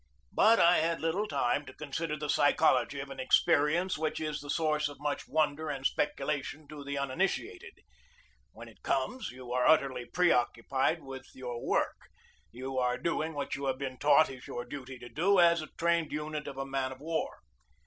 But I had little time to consider 62 GEORGE DEWEY the psychology of an experience which is the source of much wonder and speculation to the uninitiated. When it conies, you are utterly preoccupied with your work; you are doing what you have been taught is your duty to do as a trained unit on a man of war.